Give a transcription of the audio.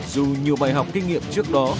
dù nhiều bài học kinh nghiệm trước đó